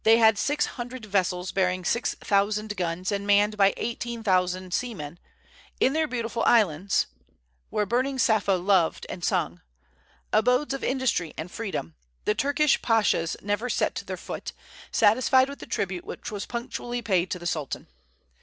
They had six hundred vessels, bearing six thousand guns, and manned by eighteen thousand seamen. In their beautiful islands, "Where burning Sappho loved and sung," abodes of industry and freedom, the Turkish pashas never set their foot, satisfied with the tribute which was punctually paid to the Sultan.